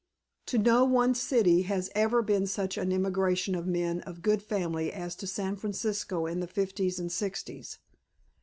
To no one city has there ever been such an emigration of men of good family as to San Francisco in the Fifties and Sixties.